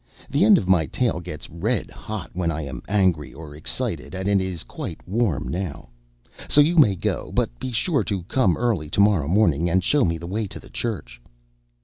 The end of my tail gets red hot when I am angry or excited, and it is quite warm now. So you may go, but be sure and come early to morrow morning, and show me the way to the church."